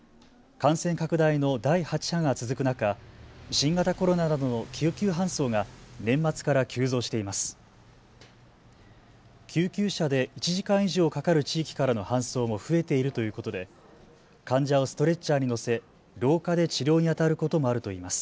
感染拡大の第８波が続く中、新型コロナなどの救急搬送が年末から急増しています。